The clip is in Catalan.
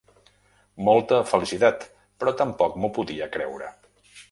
Molta felicitat, però tampoc m’ho podia creure.